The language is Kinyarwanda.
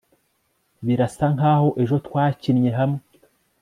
Birasa nkaho ejo twakinnye hamwe